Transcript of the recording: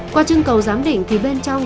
qua chân cầu giám định thì bên trong